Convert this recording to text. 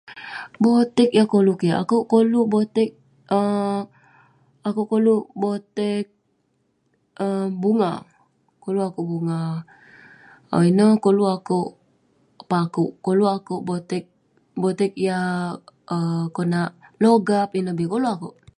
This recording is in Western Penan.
Boteg yah koluk kik, akouk koluk boteg um akouk koluk boteg um bunga, koluk akouk bunga. Awu ineh, koluk akouk pakouk. Koluk akouk boteg, boteg yah um konak logap ineh bi. Koluk akouk.